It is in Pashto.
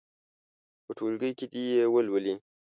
په ټولګي کې دې یې ولولي.